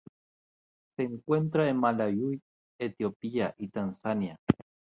Se encuentra en Malaui, Etiopía y Tanzania.